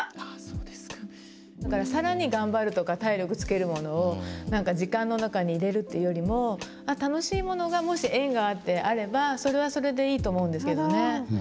だから更に頑張るとか体力つけるものをなんか時間の中に入れるっていうよりも楽しいものがもし縁があればそれはそれでいいと思うんですけどね。